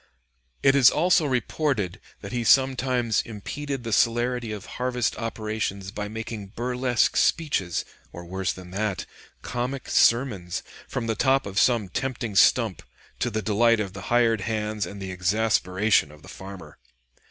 It is also reported that he sometimes impeded the celerity of harvest operations by making burlesque speeches, or worse than that, comic sermons, from the top of some tempting stump, to the delight of the hired hands and the exasperation of the farmer.